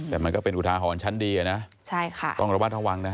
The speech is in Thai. แต่มันก็เป็นอุทาหรณ์ชั้นดีนะต้องระวัดระวังนะฮะ